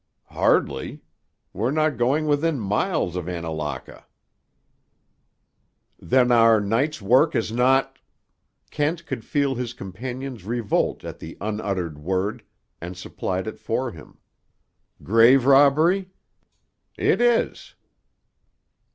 "Hardly. We're not going within miles of Annalaka." "Then our night's work is not—" Kent could feel his companion's revolt at the unuttered word, and supplied it for him. "Grave robbery? It is."